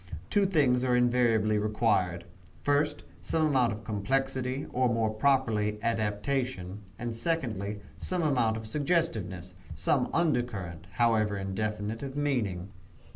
Two things are invariably required first, some amount of complexity, or more properly, adaptation; and, secondly, some amount of suggestiveness some under current, however indefinite, of meaning.